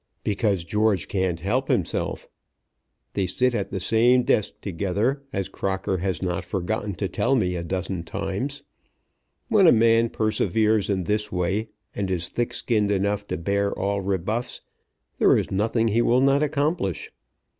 "Because George can't help himself. They sit at the same desk together, as Crocker has not forgotten to tell me a dozen times. When a man perseveres in this way, and is thick skinned enough to bear all rebuffs, there is nothing he will not accomplish.